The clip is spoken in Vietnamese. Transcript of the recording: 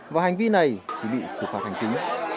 và hành vi này chỉ bị xử phạt hành chính